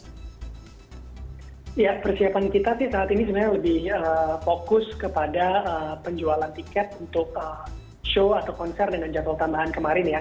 ya persiapan kita sih saat ini sebenarnya lebih fokus kepada penjualan tiket untuk show atau konser dengan jadwal tambahan kemarin ya